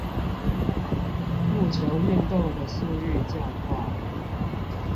戊球運動的速率較快